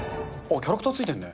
キャラクターついてるね。